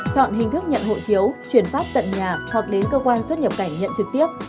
chọn hình thức nhận hộ chiếu chuyển pháp tận nhà hoặc đến cơ quan xuất nhập cảnh nhận trực tiếp